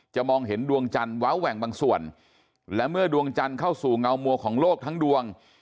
มองเห็นดวงจันทร์เว้าแหว่งบางส่วนและเมื่อดวงจันทร์เข้าสู่เงามัวของโลกทั้งดวง